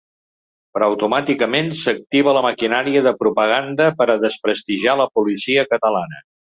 Però automàticament s’activa la maquinària de propaganda per a desprestigiar la policia catalana.